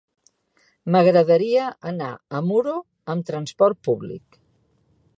M'agradaria anar a Muro amb transport públic.